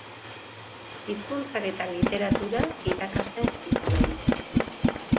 Hizkuntzak eta Literatura irakasten zituen.